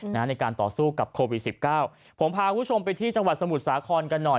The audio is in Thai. ในการต่อสู้กับโควิดสิบเก้าผมพาคุณผู้ชมไปที่จังหวัดสมุทรสาครกันหน่อย